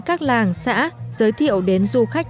các làng xã giới thiệu đến du khách